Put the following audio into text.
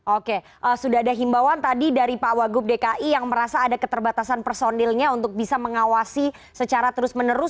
oke sudah ada himbauan tadi dari pak wagub dki yang merasa ada keterbatasan personilnya untuk bisa mengawasi secara terus menerus